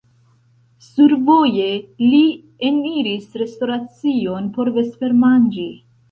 Survoje li eniris restoracion por vespermanĝi.